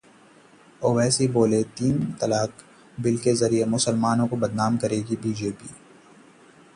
ओवैसी बोले- तीन तलाक बिल के जरिए मुसलमानों को बदनाम करेगी बीजेपी